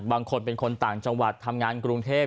บางคนเป็นคนต่างจังหวัดทำงานกรุงเทพ